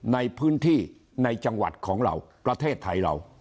ในพื้นที่ในจังหวัดของเราประเทศไทยเรา